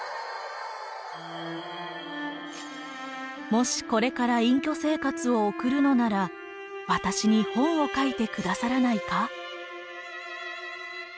もしこれから隠居生活を送るのなら私に本を書いて下さらないか。